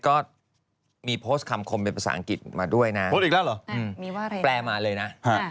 คำถามที่คุณไม่พร้อมที่จะได้ยินคำตอบที่ซื่อสัตว์